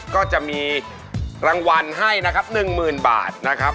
ก็จะมีรางวัลให้นะครับหนึ่งหมื่นบาทนะครับ